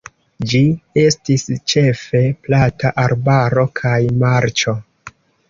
Ĝi estis ĉefe plata arbaro kaj marĉo.